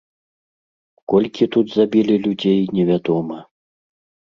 Колькі тут забілі людзей, невядома.